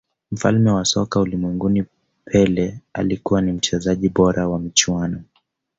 mfalme wa soka ulimwenguni pele alikuwa ni mchezaji bora wa michuano